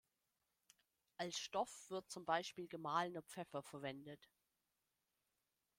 Als Stoff wird zum Beispiel gemahlener Pfeffer verwendet.